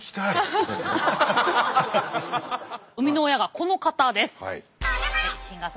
生みの親がこの方です。